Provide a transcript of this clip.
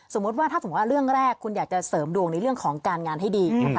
ว่าถ้าสมมุติว่าเรื่องแรกคุณอยากจะเสริมดวงในเรื่องของการงานให้ดีนะคะ